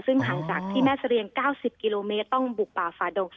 ซึ่งห่างจากที่แม่เสรียง๙๐กิโลเมตรต้องบุกป่าฝาดง